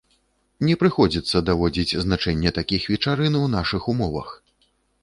Не прыходзіцца даводзіць значэнне такіх вечарын у нашых умовах.